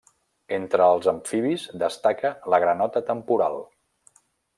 Entre els amfibis destaca la granota temporal.